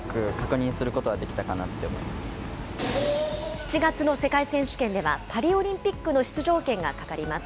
７月の世界選手権では、パリオリンピックの出場権がかかります。